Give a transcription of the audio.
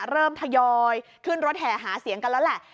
ทยอยขึ้นรถแห่หาเสียงกันแล้วแหละ